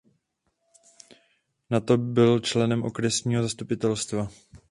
Nato byl členem okresního zastupitelstva.